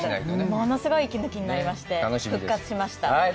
物すごい息抜きになりまして、復活しました。